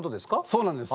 そうなんです。